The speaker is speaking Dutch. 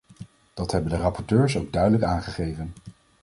Dat hebben de rapporteurs ook duidelijk aangegeven.